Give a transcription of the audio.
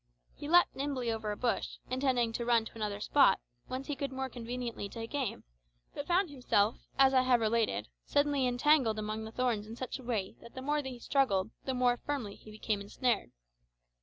He leaped nimbly over a bush, intending to run to another spot, whence he could more conveniently take aim, but found himself, as I have related, suddenly entangled among the thorns in such a way that the more he struggled the more firmly he became ensnared.